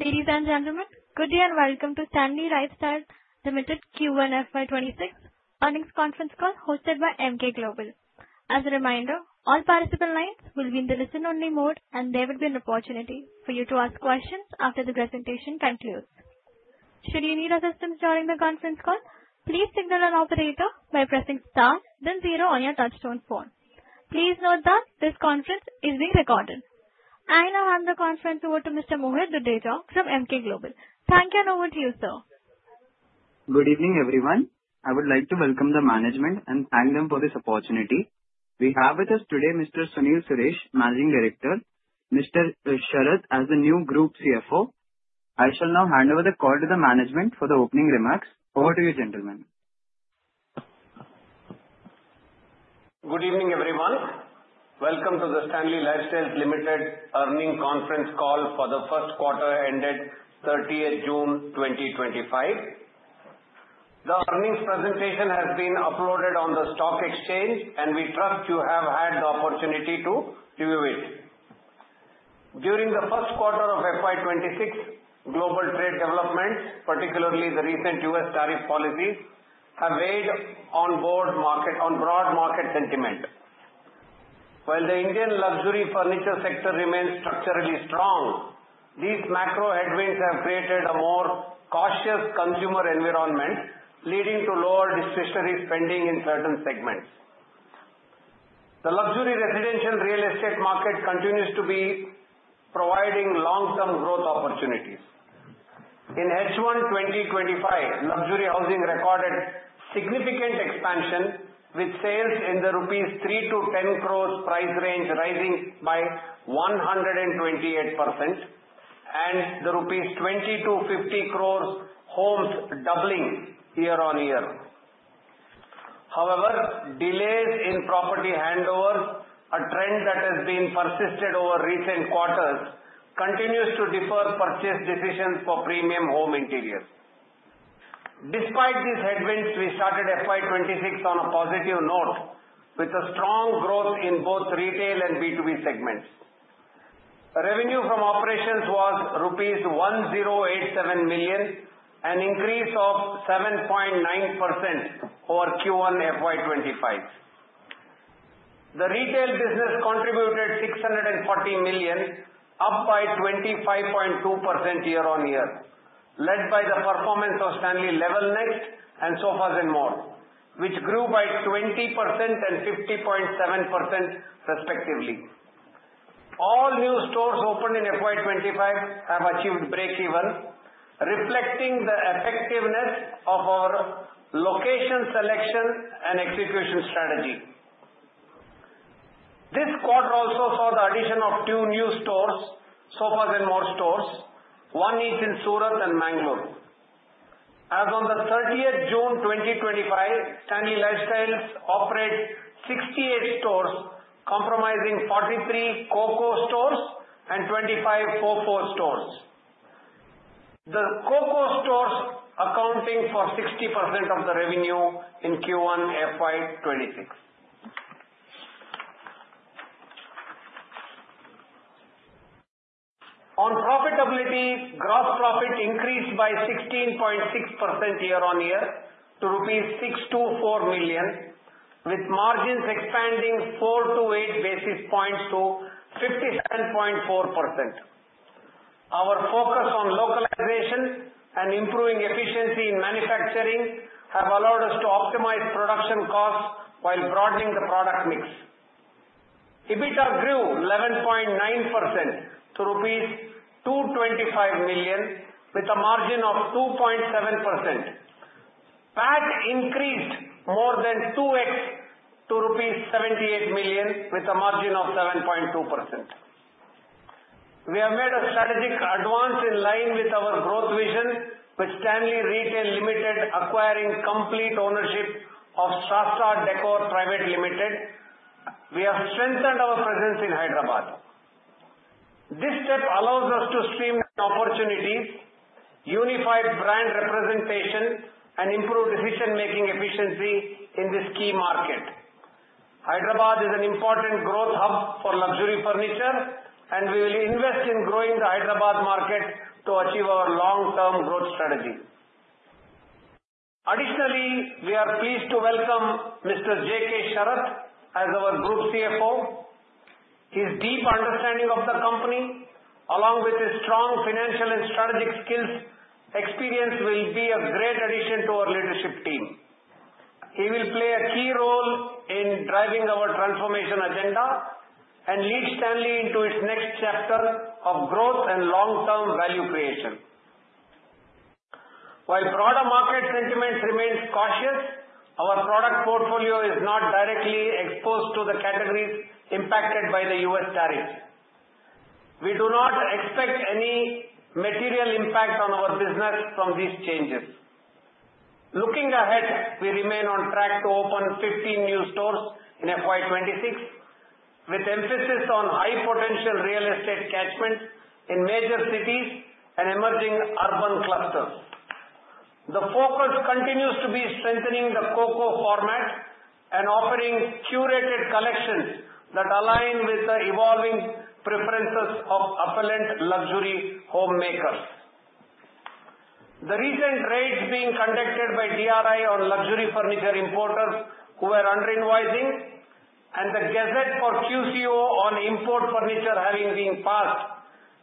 Ladies and gentlemen, good day and welcome to Stanley Lifestyles Limited Q1 FY2026 earnings conference call hosted by Emkay Global. As a reminder, all participant lines will be in the listen-only mode, and there will be an opportunity for you to ask questions after the presentation concludes. Should you need assistance during the conference call, please signal an operator by pressing star, then zero on your touch-tone phone. Please note that this conference is being recorded. I now hand the conference over to Mr. Mohit Dudeja from Emkay Global. Thank you, and over to you, sir. Good evening, everyone. I would like to welcome the management and thank them for this opportunity. We have with us today Mr. Sunil Suresh, Managing Director, Mr. Sharath as the new Group CFO. I shall now hand over the call to the management for the opening remarks. Over to you, gentlemen. Good evening, everyone. Welcome to the Stanley Lifestyles Limited Earnings Conference Call for the first quarter ended 30 June 2025. The earnings presentation has been uploaded on the stock exchange, and we trust you have had the opportunity to view it. During the first quarter of FY2026, global trade developments, particularly the recent U.S. tariff policies, have weighed on broad market sentiment. While the Indian luxury furniture sector remains structurally strong, these macro headwinds have created a more cautious consumer environment, leading to lower discretionary spending in certain segments. The luxury residential real estate market continues to be providing long-term growth opportunities. In H1 2025, luxury housing recorded significant expansion, with sales in the rupees 3-10 crores price range rising by 128%, and the rupees 20-50 crores homes doubling year on year. However, delays in property handovers, a trend that has been persisted over recent quarters, continue to defer purchase decisions for premium home interiors. Despite these headwinds, we started FY2026 on a positive note, with strong growth in both retail and B2B segments. Revenue from operations was rupees 1087 million, an increase of 7.9% over Q1 FY2025. The retail business contributed 640 million, up by 25.2% year on year, led by the performance of Stanley Level Next and Sofas and More, which grew by 20% and 50.7%, respectively. All new stores opened in FY2025 have achieved break-even, reflecting the effectiveness of our location selection and execution strategy. This quarter also saw the addition of two new stores, Sofas and More stores, one each in Surat and Mangalore. As of the 30 June 2025, Stanley Lifestyles operates 68 stores, comprising 43 COCO stores and 25 FOFO stores. The Coco stores account for 60% of the revenue in Q1 FY2026. On profitability, gross profit increased by 16.6% year on year to rupees 624 million, with margins expanding 4 to 8 basis points to 57.4%. Our focus on localization and improving efficiency in manufacturing has allowed us to optimize production costs while broadening the product mix. EBITDA grew 11.9% to rupees 225 million, with a margin of 2.7%. PAT increased more than 2x to rupees 78 million, with a margin of 7.2%. We have made a strategic advance in line with our growth vision with Stanley Retail Limited, acquiring complete ownership of Shraddha Decor Private Limited. We have strengthened our presence in Hyderabad. This step allows us to streamline opportunities, unify brand representation, and improve decision-making efficiency in this key market. Hyderabad is an important growth hub for luxury furniture, and we will invest in growing the Hyderabad market to achieve our long-term growth strategy. Additionally, we are pleased to welcome Mr. J. K. Sharath as our Group CFO. His deep understanding of the company, along with his strong financial and strategic skills experience, will be a great addition to our leadership team. He will play a key role in driving our transformation agenda and lead Stanley into its next chapter of growth and long-term value creation. While broader market sentiment remains cautious, our product portfolio is not directly exposed to the categories impacted by the U.S. tariffs. We do not expect any material impact on our business from these changes. Looking ahead, we remain on track to open 15 new stores in FY2026, with emphasis on high-potential real estate catchments in major cities and emerging urban clusters. The focus continues to be strengthening the Coco format and offering curated collections that align with the evolving preferences of affluent luxury home makers. The recent raids being conducted by DRI on luxury furniture importers who are under-invoicing, and the gazette for QCO on import furniture having been passed,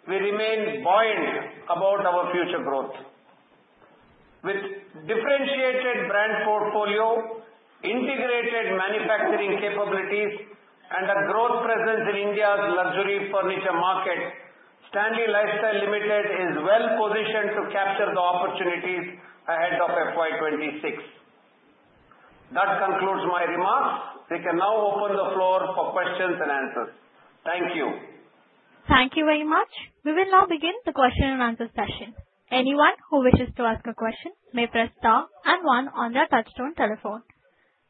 we remain buoyant about our future growth. With differentiated brand portfolio, integrated manufacturing capabilities, and a growth presence in India's luxury furniture market, Stanley Lifestyles Limited is well-positioned to capture the opportunities ahead of FY2026. That concludes my remarks. We can now open the floor for questions and answers. Thank you. Thank you very much. We will now begin the question and answer session. Anyone who wishes to ask a question may press star and one on their touch-tone telephone.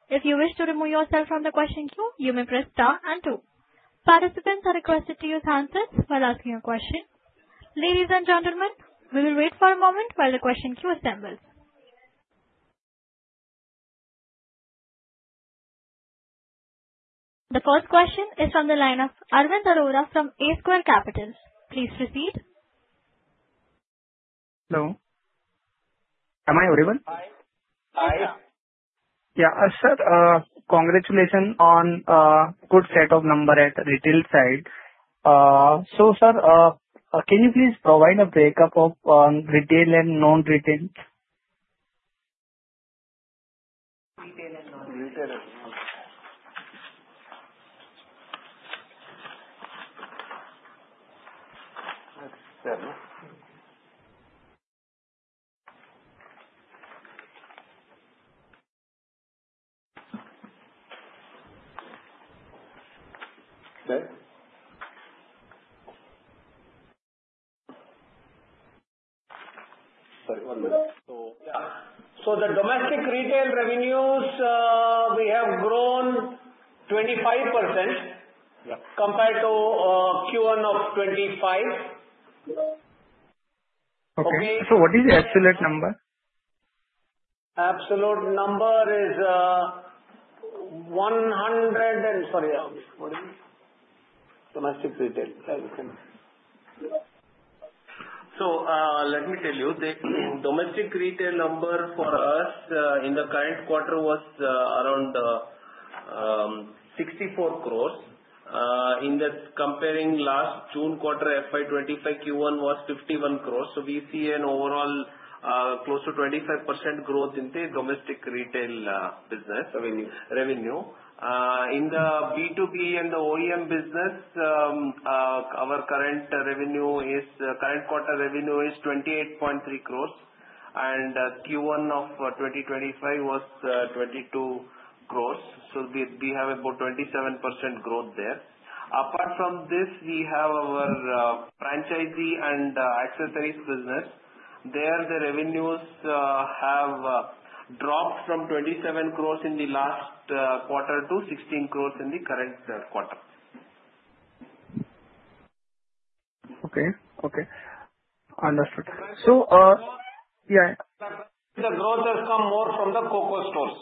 If you wish to remove yourself from the question queue, you may press star and two. Participants are requested to use handsets while asking a question. Ladies and gentlemen, we will wait for a moment while the question queue assembles. The first question is from the line of Arvind Arora from A Square Capital. Please proceed. Hello. Am I audible? Hi. Hi. Yeah. Sir, congratulations on a good set of numbers at the retail side. So, sir, can you please provide a break-up of retail and non-retail? Retail and non-retail. Okay. Sorry, one moment. So, yeah. So the domestic retail revenues, we have grown 25% compared to Q1 of 2025. Okay. So what is the absolute number? Absolute number is 100 and sorry, what is it? Domestic retail. Let me tell you, the domestic retail number for us in the current quarter was around 64 crores. In the comparable last June quarter, FY2025 Q1 was 51 crores. We see an overall close to 25% growth in the domestic retail business. Revenue. Revenue. In the B2B and the OEM business, our current quarter revenue is 28.3 crores, and Q1 of 2025 was 22 crores. So we have about 27% growth there. Apart from this, we have our franchisee and accessories business. There, the revenues have dropped from 27 crores in the last quarter to 16 crores in the current quarter. Okay. Okay. Understood. So, yeah. The growth has come more from the Coco stores.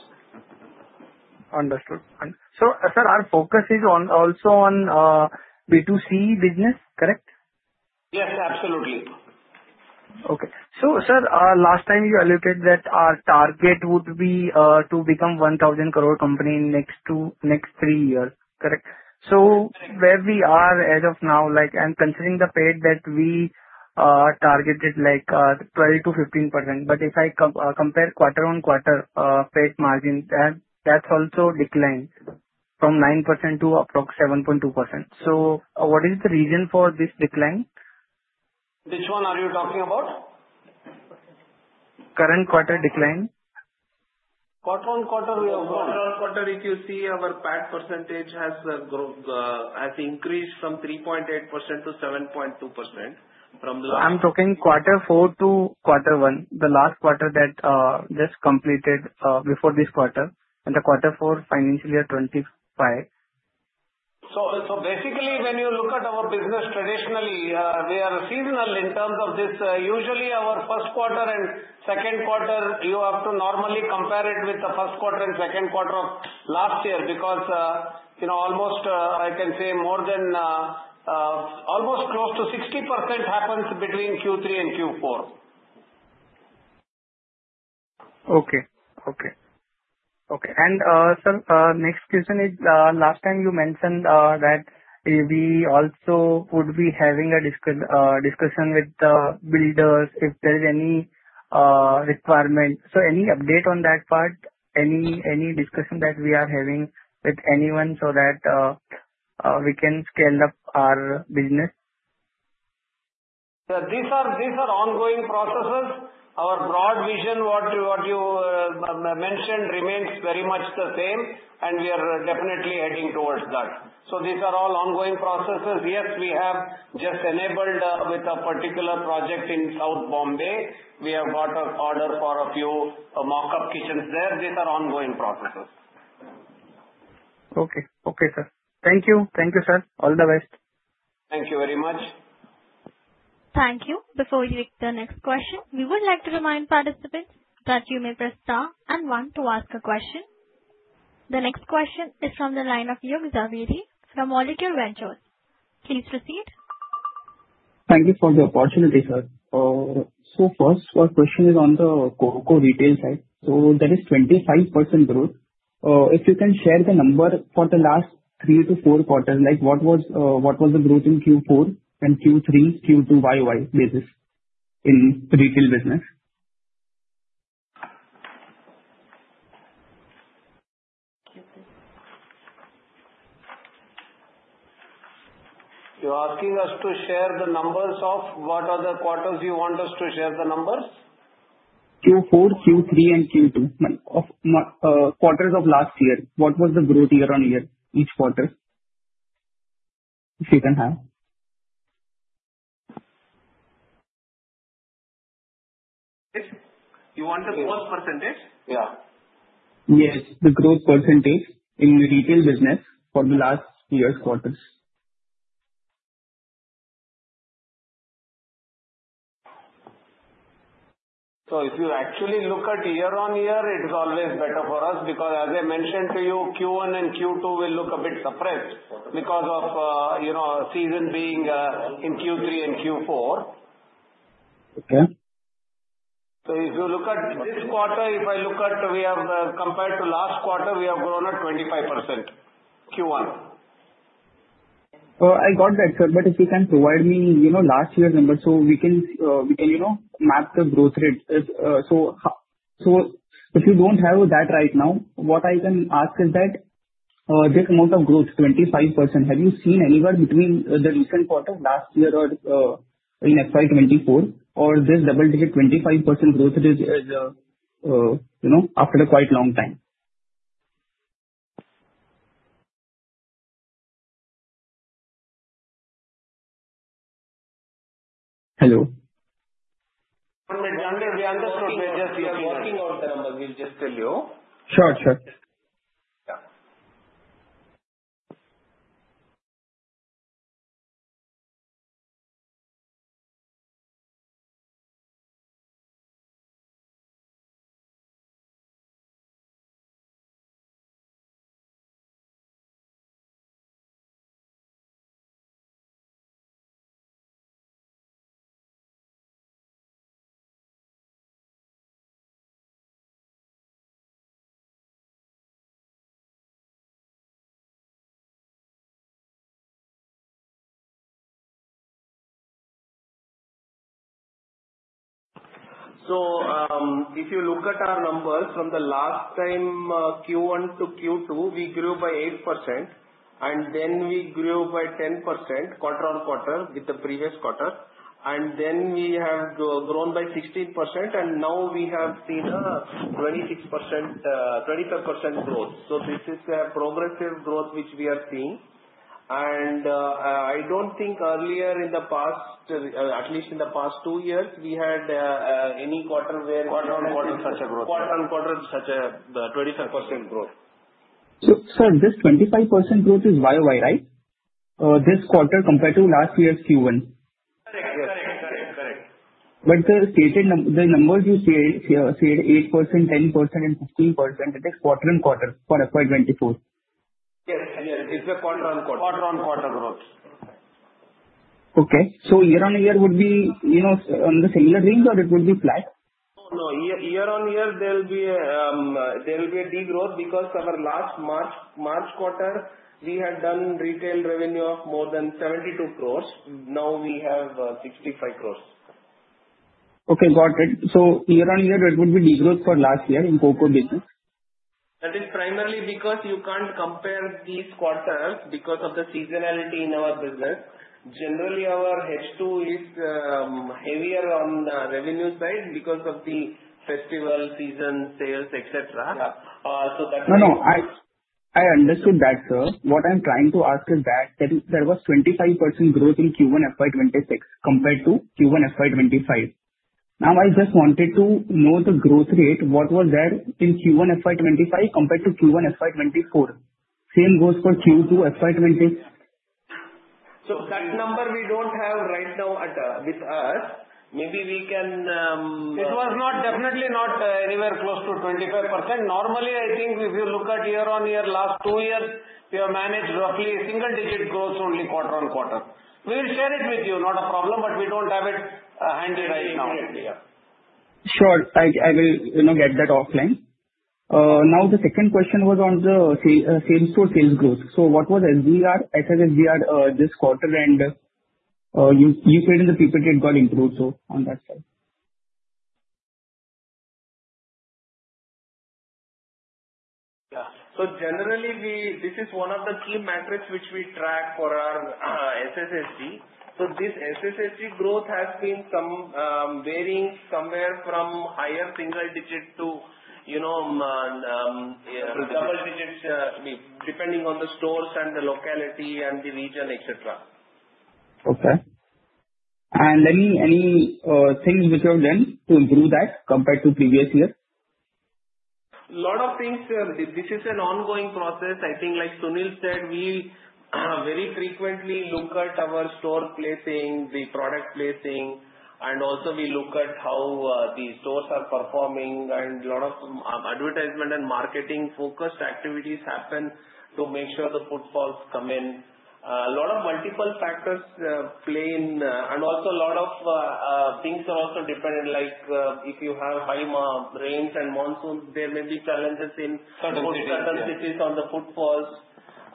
Understood. So, sir, our focus is also on B2C business, correct? Yes, absolutely. Okay. So, sir, last time you allocated that our target would be to become a 1,000-crore company in the next three years, correct? Correct. So where we are as of now, I'm considering the PAT that we targeted like 12%-15%. But if I compare quarter-on-quarter PAT margin, that's also declined from 9% to approximately 7.2%. So what is the reason for this decline? Which one are you talking about? Current quarter decline. What one quarter? Quarter-on-quarter, if you see our PAT percentage has increased from 3.8% to 7.2% from last. I'm talking quarter four to quarter one, the last quarter that just completed before this quarter, and Q4 financial year 2025. So basically, when you look at our business traditionally, we are seasonal in terms of this. Usually, our Q1 and Q2, you have to normally compare it with the first quarter and second quarter of last year because almost I can say more than almost close to 60% happens between Q3 and Q4. Okay. And, sir, next question is last time you mentioned that we also would be having a discussion with builders if there is any requirement. So any update on that part, any discussion that we are having with anyone so that we can scale up our business? These are ongoing processes. Our broad vision, what you mentioned, remains very much the same, and we are definitely heading towards that. So these are all ongoing processes. Yes, we have just enabled with a particular project in South Bombay. We have got an order for a few mock-up kitchens there. These are ongoing processes. Okay. Okay, sir. Thank you. Thank you, sir. All the best. Thank you very much. Thank you. Before we take the next question, we would like to remind participants that you may press star and one to ask a question. The next question is from the line of Yogi Zaveri from Molecule Ventures. Please proceed. Thank you for the opportunity, sir. So first, our question is on the Coco retail side. So there is 25% growth. If you can share the number for the last three to four quarters, what was the growth in Q4 and Q3, Q2, YoY basis in retail business? You're asking us to share the numbers of what? Are the quarters you want us to share the numbers? Q4, Q3, and Q2 quarters of last year, what was the growth year on year each quarter? If you can have. You want the growth percentage? Yeah. Yes. The growth percentage in retail business for the last year's quarters. So if you actually look at year on year, it is always better for us because, as I mentioned to you, Q1 and Q2 will look a bit suppressed because of season being in Q3 and Q4. Okay. So if you look at this quarter, if I look at, we have compared to last quarter, we have grown at 25% Q1. So I got that, sir. But if you can provide me last year's number so we can map the growth rate. So if you don't have that right now, what I can ask is that this amount of growth, 25%, have you seen anywhere between the recent quarter last year or in FY2024 or this double-digit 25% growth after a quite long time? Hello. One minute. One minute. We understood. We're just working on the numbers. We'll just tell you. Sure. Sure. Yeah. So if you look at our numbers from the last time Q1 to Q2, we grew by 8%, and then we grew by 10% quarter on quarter with the previous quarter. And then we have grown by 16%, and now we have seen a 25% growth. So this is a progressive growth which we are seeing. And I don't think earlier in the past, at least in the past two years, we had any quarter where. Quarter-on-quarter such a growth. Quarter-on-quarter such a 25% growth. So sir, this 25% growth is YoY, right? This quarter compared to last year's Q1? Correct. But the stated numbers you said, 8%, 10%, and 15%, it is quarter-on-quarter for FY2024. Yes. Yes. It's a quarter-on-quarter. Quarter-on-quarter growth. Okay. So year on year would be on the similar range or it would be flat? No. No. Year on year, there will be a degrowth because our last March quarter, we had done retail revenue of more than 72 crores. Now we have 65 crores. Okay. Got it. So year on year, it would be degrowth for last year in Coco business? That is primarily because you can't compare these quarters because of the seasonality in our business. Generally, our H2 is heavier on the revenue side because of the festival season, sales, etc. So that is. No, no. I understood that, sir. What I'm trying to ask is that there was 25% growth in Q1 FY2026 compared to Q1 FY2025. Now I just wanted to know the growth rate, what was there in Q1 FY2025 compared to Q1 FY2024? Same goes for Q2 FY2026? So that number we don't have right now with us. Maybe we can. It was definitely not anywhere close to 25%. Normally, I think if you look at year on year last two years, we have managed roughly single-digit growth only quarter on quarter. We will share it with you. Not a problem, but we don't have it handy right now. Sure. I will get that offline. Now the second question was on the same store sales growth. So what was SGR, SSSG this quarter, and you said in the PPT it got improved on that side. Yeah. So generally, this is one of the key metrics which we track for our SSSG. So this SSSG growth has been varying somewhere from higher single-digit to double-digit depending on the stores and the locality and the region, etc. Okay. And any things which you have done to improve that compared to previous year? A lot of things, sir. This is an ongoing process. I think, like Sunil said, we very frequently look at our store placing, the product placing, and also we look at how the stores are performing, and a lot of advertisement and marketing-focused activities happen to make sure the footfalls come in. A lot of multiple factors play in, and also a lot of things are also dependent, like if you have high rains and monsoons, there may be challenges in certain cities on the footfalls,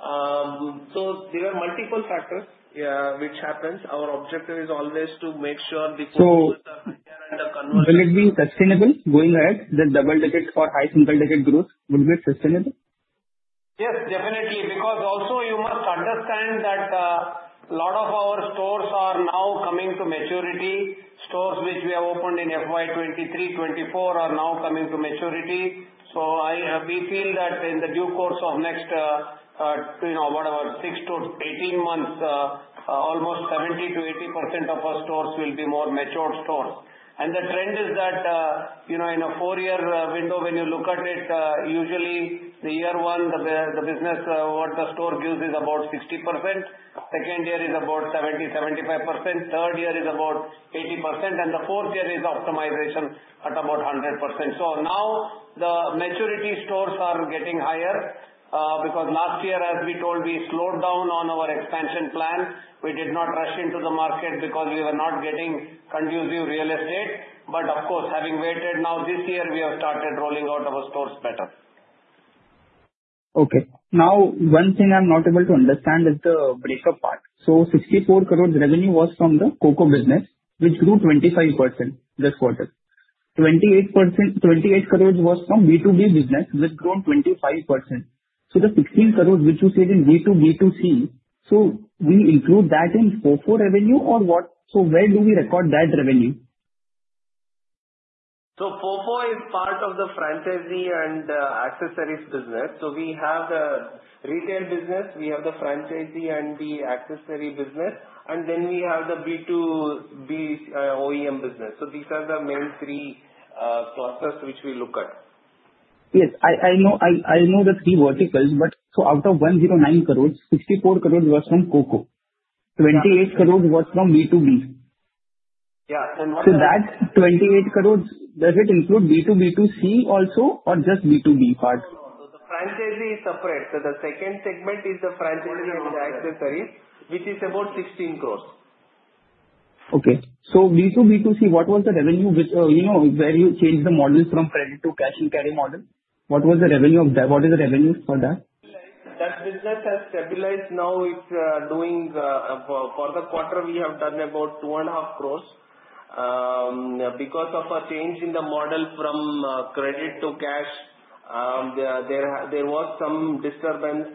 so there are multiple factors which happen. Our objective is always to make sure the stores are prepared and the conversion. Will it be sustainable going ahead? The double-digit or high single-digit growth, would it be sustainable? Yes, definitely. Because also you must understand that a lot of our stores are now coming to maturity. Stores which we have opened in FY2023, FY2024 are now coming to maturity. So we feel that in the due course of next whatever, six to 18 months, almost 70%-80% of our stores will be more matured stores. And the trend is that in a four-year window, when you look at it, usually the year one, the business what the store gives is about 60%. Second year is about 70%-75%. Third year is about 80%. And the fourth year is optimization at about 100%. So now the maturity stores are getting higher because last year, as we told, we slowed down on our expansion plan. We did not rush into the market because we were not getting conducive real estate. But of course, having waited, now this year we have started rolling out our stores better. Okay. Now one thing I'm not able to understand is the breakup part. So 64 crores revenue was from the Coco business, which grew 25% this quarter. 28 crores was from B2B business, which grew 25%. So the 16 crores which you said in B2, B2C, so we include that in FOFO revenue or what? So where do we record that revenue? So FOFO is part of the franchisee and accessories business. So we have the retail business, we have the franchisee and the accessory business, and then we have the B2B OEM business. So these are the main three clusters which we look at. Yes. I know the three verticals, but so out of 109 crores, 64 crores was from Coco. 28 crores was from B2B. Yeah. And what about? So that 28 crores, does it include B2B, B2C also or just B2B part? No. The franchisee is separate. So the second segment is the franchisee and the accessories, which is about 16 crores. Okay. So B2B, B2C, what was the revenue where you changed the model from credit to cash and carry model? What was the revenue of that? What is the revenue for that? That business has stabilized now. For the quarter, we have done about 2.5 crore because of a change in the model from credit to cash. There was some disturbance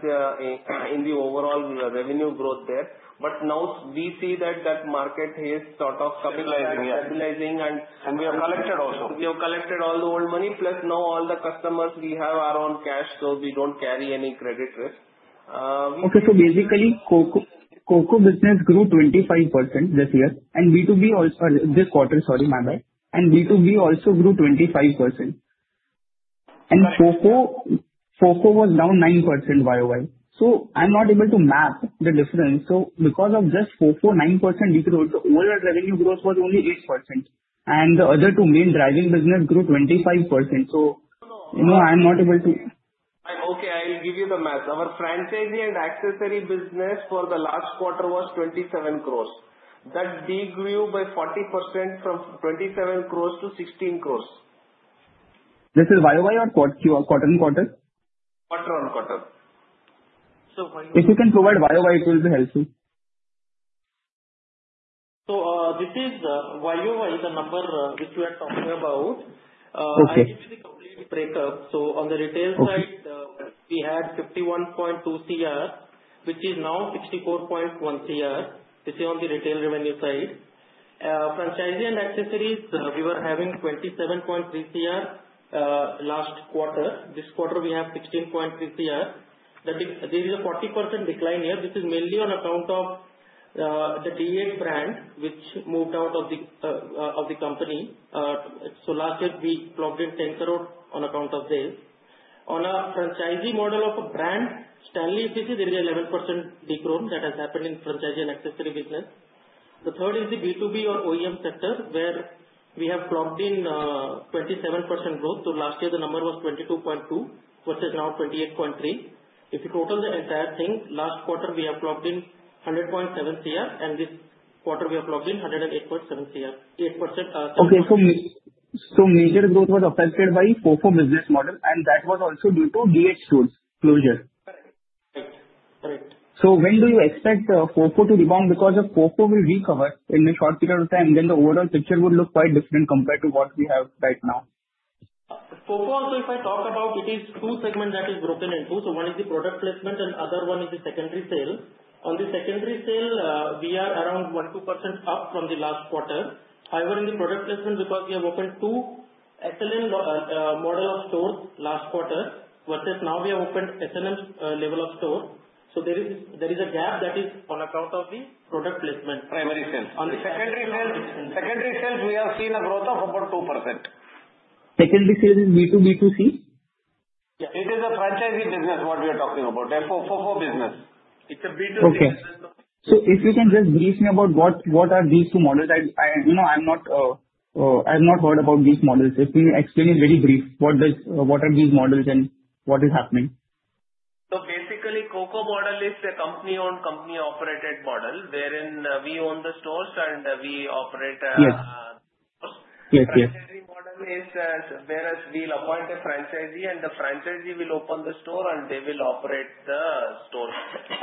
in the overall revenue growth there. But now we see that that market is sort of stabilizing. Stabilizing it. And. And we have collected also. We have collected all the old money. Plus now all the customers, we have our own cash, so we don't carry any credit risk. Okay. So basically, Coco business grew 25% this year. And B2B also this quarter, sorry, my bad. And B2B also grew 25%. And Fofo was down 9% YoY. So I'm not able to map the difference. So because of just Fofo 9%, the overall revenue growth was only 8%. And the other two main driving business grew 25%. So. No. I'm not able to. Okay. I'll give you the math. Our franchisee and accessory business for the last quarter was 27 crores. That de-grew by 40% from 27 crores to 16 crores. This is Q1 or quarter and quarter? Quarter on quarter. If you can provide YoY, it will be helpful. This is YoY, the number which we are talking about. I'll give you the complete breakup. On the retail side, we had 51.2 Cr, which is now 64.1 Cr. This is on the retail revenue side. Franchisee and accessories, we were having 27.3 Cr last quarter. This quarter, we have 16.3 Cr. There is a 40% decline here. This is mainly on account of the D8 brand, which moved out of the company. Last year, we clocked in INR 10 crores on account of this. On a franchisee model of a brand, Stanley Effici, there is an 11% degrowth that has happened in franchisee and accessory business. The third is the B2B or OEM sector, where we have clocked in 27% growth. Last year, the number was 22.2 Cr versus now 28.3 Cr. If you total the entire thing, last quarter, we have clocked in 100.7 Cr, and this quarter, we have clocked in 108.7 Cr. Okay, so major growth was affected by FOFO business model, and that was also due to D8 stores closure. Correct. Right. Correct. So when do you expect FOFO to rebound? Because if FOFO will recover in a short period of time, then the overall picture would look quite different compared to what we have right now. FOFO, also if I talk about, it is two segments that is broken into. So one is the product placement, and other one is the secondary sale. On the secondary sale, we are around 12% up from the last quarter. However, in the product placement, because we have opened two SLN model of stores last quarter versus now we have opened SLN level of store. So there is a gap that is on account of the product placement. Primary sales. On the secondary sales, we have seen a growth of about 2%. Secondary sales is B2B, B2C? Yeah. It is a franchisee business, what we are talking about, and FOFO business. It's a B2C business. Okay. So if you can just brief me about what are these two models? I'm not heard about these models. If you can explain in very brief, what are these models and what is happening? Basically, Coco model is a company-owned, company-operated model, wherein we own the stores and we operate the stores. Yes. Yes. Secondary model is whereas we'll appoint a franchisee, and the franchisee will open the store, and they will operate the stores.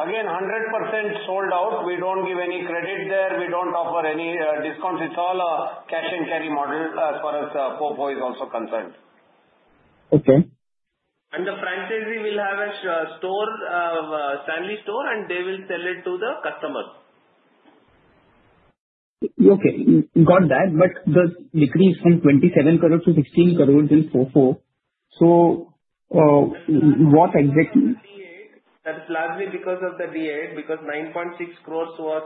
Again, 100% sold out. We don't give any credit there. We don't offer any discounts. It's all a cash and carry model as far as Fofo is also concerned. Okay. And the franchisee will have a Stanley store, and they will sell it to the customers. Okay. Got that. But the decrease from 27 crores to 16 crores in FOFO, so what exactly? That's largely because of the D8, because 9.6 crores was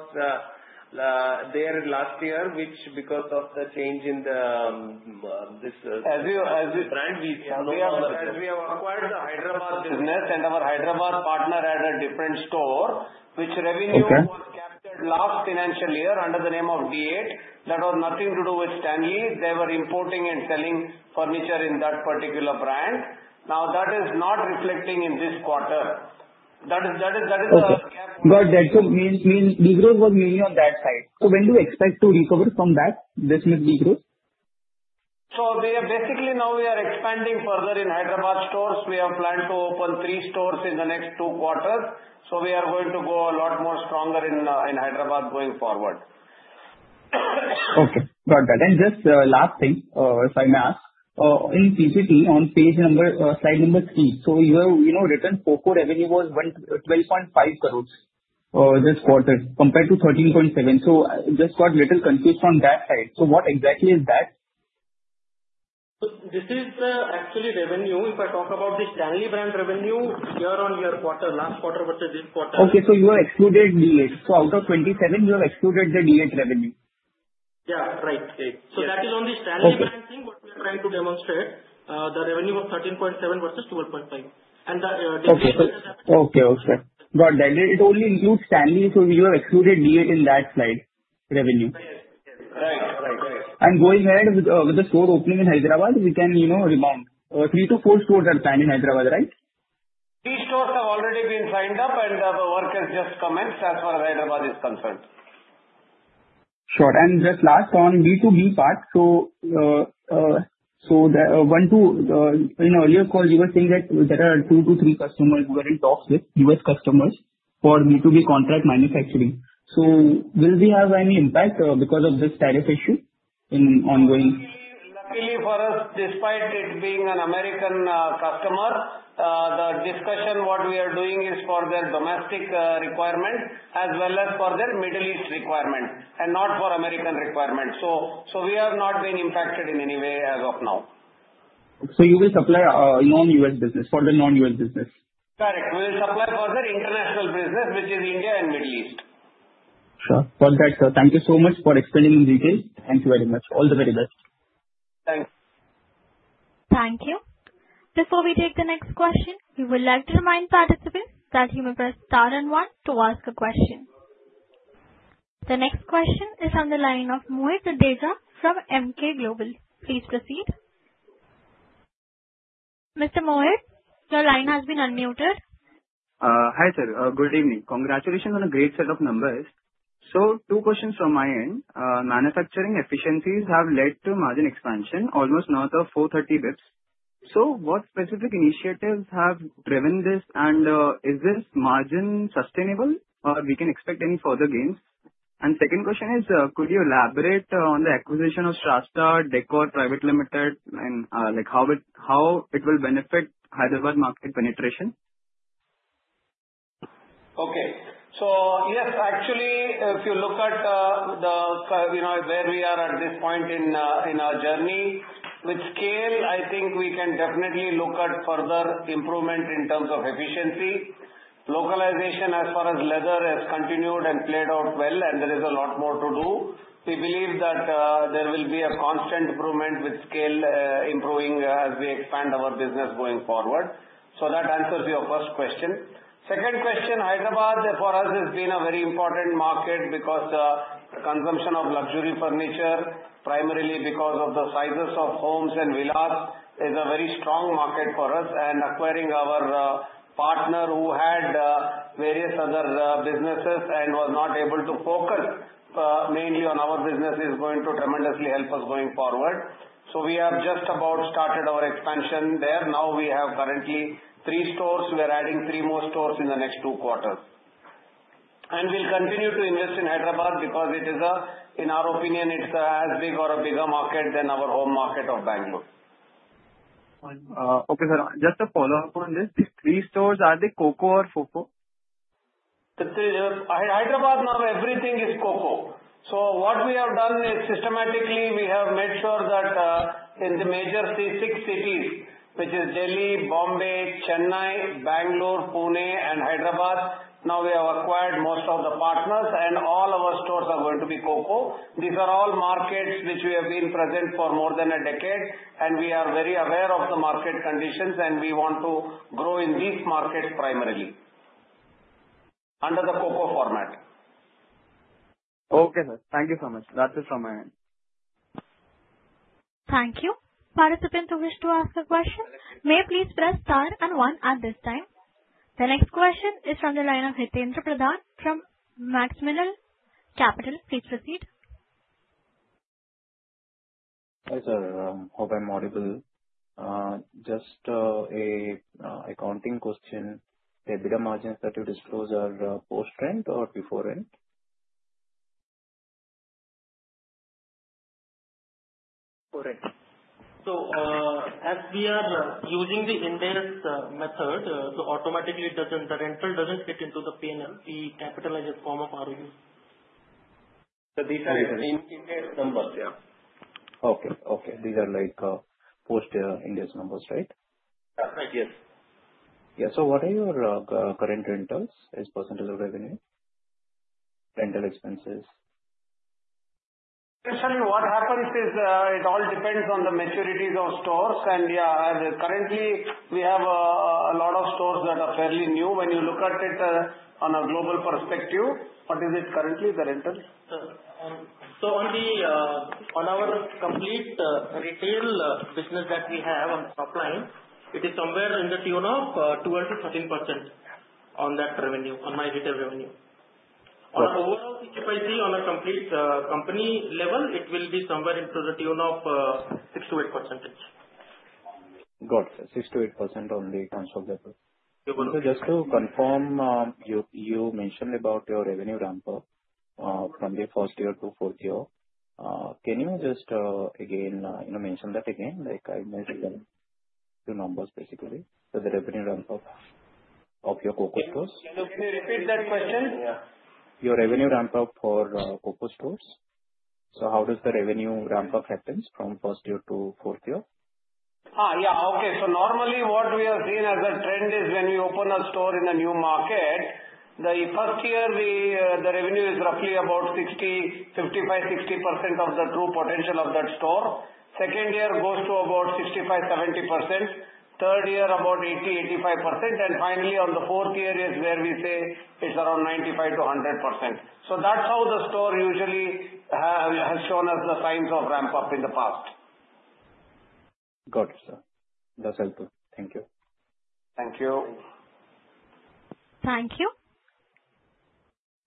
there last year, which because of the change in this brand, we no longer have that. As we have acquired the Hyderabad business, and our Hyderabad partner had a different store, which revenue was captured last financial year under the name of D8. That was nothing to do with Stanley. They were importing and selling furniture in that particular brand. Now that is not reflecting in this quarter. That is a gap. Got that. So degrowth was mainly on that side. So when do you expect to recover from that, this much degrowth? So basically, now we are expanding further in Hyderabad stores. We have planned to open three stores in the next two quarters. So we are going to go a lot more stronger in Hyderabad going forward. Okay. Got that. And just last thing, if I may ask, in PPT on slide number three, so you have written FOFO revenue was 12.5 crores this quarter compared to 13.7. So I just got a little confused on that side. So what exactly is that? This is actually revenue. If I talk about the Stanley brand revenue year on year quarter, last quarter versus this quarter. Okay. So you have excluded D8. So out of 27, you have excluded the D8 revenue. Yeah. Right, so that is only Stanley brand thing, what we are trying to demonstrate. The revenue was 13.7 versus 12.5, and the degrowth has happened. Okay. Okay. Got that. It only includes Stanley, so you have excluded D8 in that slide revenue. Yes. Yes. Right. Right. Right. Going ahead with the store opening in Hyderabad, we can rebound. Three to four stores are planned in Hyderabad, right? Three stores have already been signed up, and the work has just commenced as far as Hyderabad is concerned. Sure, and just last on B2B part, so in earlier calls, you were saying that there are two to three customers you are in talks with, US customers for B2B contract manufacturing, so will we have any impact because of this tariff issue in ongoing? Luckily for us, despite it being an American customer, the discussion what we are doing is for their domestic requirement as well as for their Middle East requirement and not for American requirement. So we have not been impacted in any way as of now. So you will supply non-US business for the non-US business? Correct. We will supply for the international business, which is India and Middle East. Sure. Got that. Thank you so much for explaining in detail. Thank you very much. All the very best. Thanks. Thank you. Before we take the next question, we would like to remind participants that you may press star and one to ask a question. The next question is from the line of Mohit Dudeja from Emkay Global. Please proceed. Mr. Mohit, your line has been unmuted. Hi, sir. Good evening. Congratulations on a great set of numbers. So, two questions from my end. Manufacturing efficiencies have led to margin expansion almost north of 430 basis points. So, what specific initiatives have driven this, and is this margin sustainable, or we can expect any further gains? And second question is, could you elaborate on the acquisition of Sastra Decor Private Limited, and how it will benefit Hyderabad market penetration? Okay, so yes, actually, if you look at where we are at this point in our journey, with scale, I think we can definitely look at further improvement in terms of efficiency. Localization as far as leather has continued and played out well, and there is a lot more to do. We believe that there will be a constant improvement with scale improving as we expand our business going forward, so that answers your first question. Second question, Hyderabad for us has been a very important market because the consumption of luxury furniture, primarily because of the sizes of homes and villas, is a very strong market for us, and acquiring our partner who had various other businesses and was not able to focus mainly on our business is going to tremendously help us going forward, so we have just about started our expansion there. Now we have currently three stores. We are adding three more stores in the next two quarters, and we'll continue to invest in Hyderabad because it is, in our opinion, it's as big or a bigger market than our home market of Bangalore. Okay. Just to follow up on this, these three stores, are they Coco or FOFO? Hyderabad now everything is Coco. So what we have done is systematically we have made sure that in the major six cities, which is Delhi, Bombay, Chennai, Bangalore, Pune, and Hyderabad, now we have acquired most of the partners, and all our stores are going to be Coco. These are all markets which we have been present for more than a decade, and we are very aware of the market conditions, and we want to grow in these markets primarily under the Coco format. Okay. Thank you so much. That's it from my end. Thank you. Participants who wish to ask a question, may please press star and one at this time. The next question is from the line of Hitaindra Pradhan from Maximal Capital. Please proceed. Hi sir. Hope I'm audible. Just an accounting question. The EBITDA margins that you disclose are post-rent or before-rent? So as we are using the Ind AS method, the rental doesn't fit into the P&L, the capitalized form of ROU. So these are index numbers. Okay. Okay. These are post-index numbers, right? Yes. Yeah. So what are your current rentals as percentage of revenue? Rental expenses? Actually, what happens is it all depends on the maturities of stores. And yeah, currently, we have a lot of stores that are fairly new. When you look at it on a global perspective. What is it currently, the rentals? So on our complete retail business that we have on the top line, it is somewhere in the tune of 12%-13% on that revenue, on my retail revenue. On an overall COCO, on a complete company level, it will be somewhere into the tune of 6%-8%. Got it. 6%-8% on the transferable. So just to confirm, you mentioned about your revenue ramp-up from the first year to fourth year. Can you just again mention that again? I measured two numbers, basically. So the revenue ramp-up of your Coco stores? Can you repeat that question? Your revenue ramp-up for Coco stores? So how does the revenue ramp-up happen from first year to fourth year? Yeah. Okay. So normally, what we have seen as a trend is when we open a store in a new market, the first year, the revenue is roughly about 55%-60% of the true potential of that store. Second year goes to about 65%-70%. Third year, about 80%-85%. And finally, on the fourth year is where we say it's around 95%-100%. So that's how the store usually has shown us the signs of ramp-up in the past. Got it, sir. That's helpful. Thank you. Thank you. Thank you.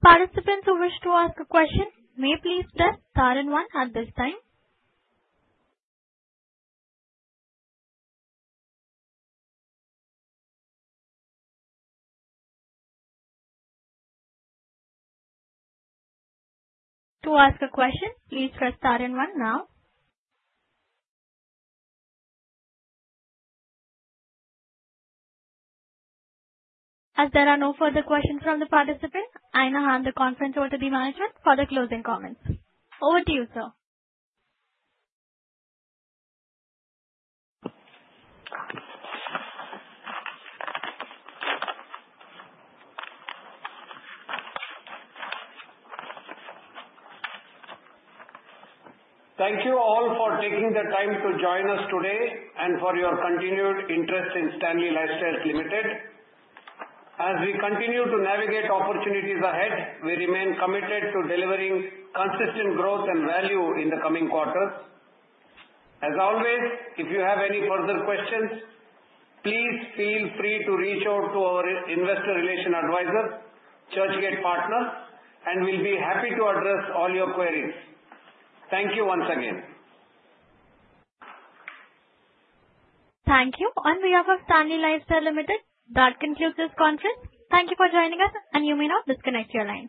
Participants who wish to ask a question, may please press star and one at this time. To ask a question, please press star and one now. As there are no further questions from the participants, I now hand the conference over to the management for the closing comments. Over to you, sir. Thank you all for taking the time to join us today and for your continued interest in Stanley Lifestyles Limited. As we continue to navigate opportunities ahead, we remain committed to delivering consistent growth and value in the coming quarters. As always, if you have any further questions, please feel free to reach out to our investor relations advisor, Churchgate Partners, and we'll be happy to address all your queries. Thank you once again. Thank you. On behalf of Stanley Lifestyles Limited, that concludes this conference. Thank you for joining us, and you may now disconnect your line.